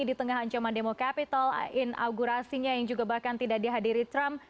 di tengah ancaman demo capital inaugurasinya yang juga bahkan tidak dihadiri trump